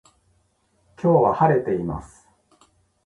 今日は晴れています